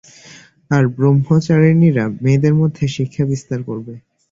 আর ব্রহ্মচারিণীরা মেয়েদের মধ্যে শিক্ষা বিস্তার করবে।